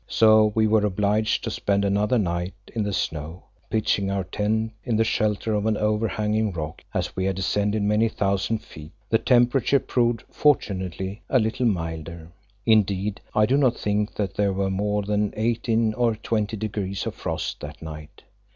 So we were obliged to spend another night in the snow, pitching our tent in the shelter of an over hanging rock. As we had descended many thousand feet, the temperature proved, fortunately, a little milder; indeed, I do not think that there were more than eighteen or twenty degrees of frost that night.